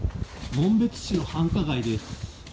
紋別市の繁華街です。